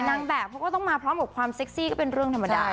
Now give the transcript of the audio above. นางแบบเขาก็ต้องมาพร้อมกับความเซ็กซี่ก็เป็นเรื่องธรรมดา